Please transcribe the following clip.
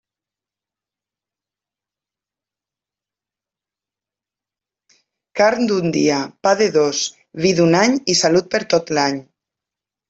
Carn d'un dia, pa de dos, vi d'un any i salut per tot l'any.